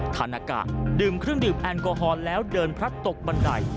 ทานอากาศดื่มเครื่องดื่มแอลกอฮอล์แล้วเดินพลัดตกบันได